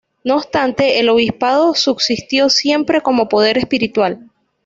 No obstante, el obispado subsistió siempre como poder espiritual.